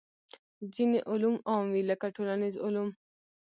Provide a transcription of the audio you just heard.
ځینې علوم عام وي لکه ټولنیز علوم.